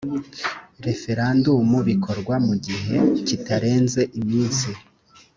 referandumu bikorwa mu gihe kitarenze iminsi